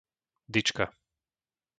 Dyčka